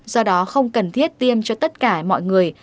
do đó không cần thiết tiêm cho tất cả mọi người